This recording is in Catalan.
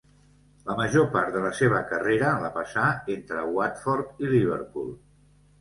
La major part de la seva carrera la passà entre Watford i Liverpool.